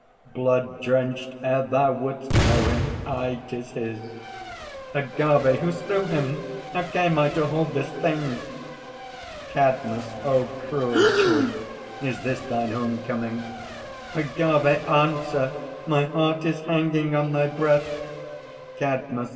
Blood drenched ere thou wouldst know him! Aye, 'tis his. AGAVE. Who slew him? How came I to hold this thing? CADMUS. O cruel Truth, is this thine home coming? AGAVE. Answer! My heart is hanging on thy breath! CADMUS.